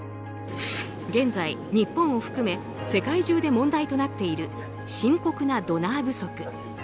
現在、日本を含め世界中で問題になっている深刻なドナー不足。